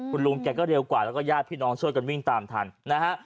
คุณลุงแกก็เร็วกว่าแล้วก็ญาติพี่น้องช่วยกันวิ่งตามทันนะฮะ